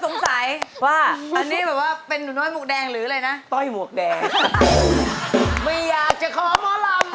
ไม่อยากจะขอมอร่ำอะไร